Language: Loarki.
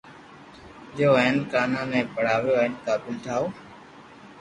ديئو ھين ڪانا ني پڙاويو ھين قابل ٺايو